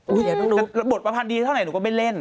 เดี๋ยวบทประพันธ์ดีเท่าไหนหนูก็ไม่เล่น